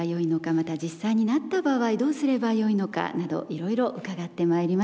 また実際になった場合どうすればよいのかなどいろいろ伺ってまいりました。